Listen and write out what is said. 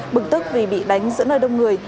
bực tức vì bị đánh giữa nơi đông người